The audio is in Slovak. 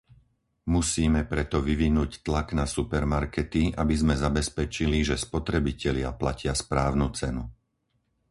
Musíme preto vyvinúť tlak na supermarkety, aby sme zabezpečili, že spotrebitelia platia správnu cenu.